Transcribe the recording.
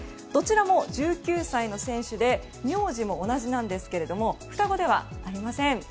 どちらも１９歳の選手で名字も同じなんですが双子でもありません